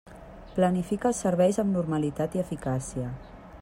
Planifica els serveis amb normalitat i eficàcia.